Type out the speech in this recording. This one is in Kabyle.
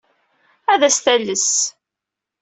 Ad as-tales.